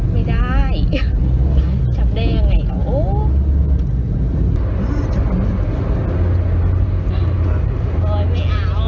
ไม่เอา